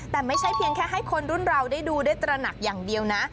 แต่ไม่ใช่เพียงแค่ให้คนรุ่นเราได้ดูได้ตระหนักอย่างเดียวนะ